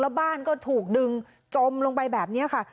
แล้วบ้านก็ถูกดึงจมลงไปแบบนี้ค่ะ